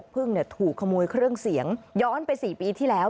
พึ่งถูกขโมยเครื่องเสียงย้อนไป๔ปีที่แล้ว